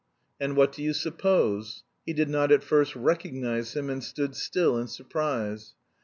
And, what do you suppose? He did not at first recognise him, and stood still in surprise.